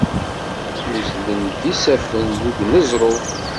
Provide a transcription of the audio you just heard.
Uzzlen d isaffen deg uneẓruf.